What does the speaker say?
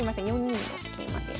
４二の桂馬で。